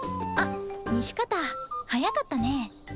あっ西片早かったね。